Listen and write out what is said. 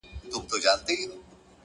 فکر مثبت وي نو لارې روښانه کېږي،